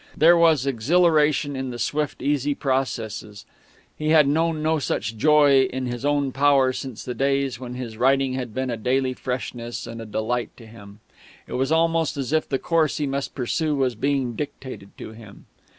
There was exhilaration in the swift, easy processes. He had known no so such joy in his own power since the days when his writing had been a daily freshness and a delight to him. It was almost as if the course he must pursue was being dictated to him.